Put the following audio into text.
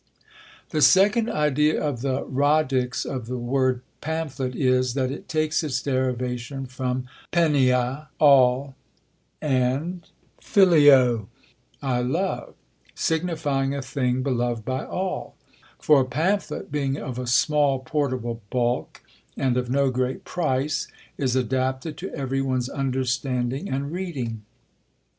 The second idea of the radix of the word Pamphlet is, that it takes its derivations from [Greek: pan], all, and [Greek: phileo], I love, signifying a thing beloved by all; for a pamphlet being of a small portable bulk, and of no great price, is adapted to every one's understanding and reading.